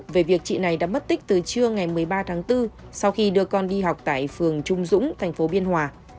về việc chị này đã mất tích từ trưa ngày một mươi ba tháng bốn sau khi đưa con đi học tại phường trung dũng thành phố biên hòa